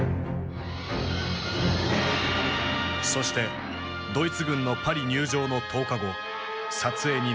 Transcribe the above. そしてドイツ軍のパリ入城の１０日後撮影に臨んだ。